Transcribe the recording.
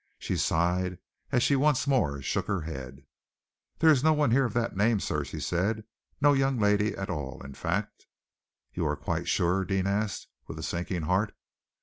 She sighed as she once more shook her head. "There is no one here of that name, sir," she said, "no young lady at all, in fact." "You are quite sure?" Deane asked, with a sinking heart.